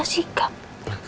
akhirnya kita bisa keluar